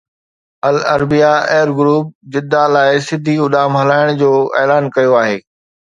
العربيه air group Jeddah لاءِ سڌي اڏام هلائڻ جو اعلان ڪيو آهي